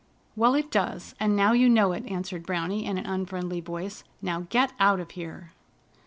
"Well, it does, and now you know it," answered Browny in an unfriendly voice. "Now get out of here!"